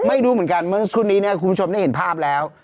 ไม่รู้เหมือนกันเพราะว่าชุดนี้คุณผู้ชมได้เห็นภาพแล้ว